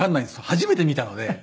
初めて見たので。